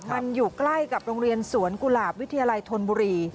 มันอยู่ใกล้กับโรงเรียนสวนกุหลาบวิทยาลัยธนบุรี